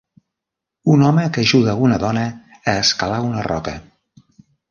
Un home que ajuda a una dona a escalar una roca